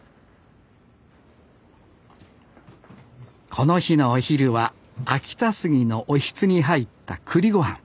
この日のお昼は秋田杉のおひつに入った栗ごはん。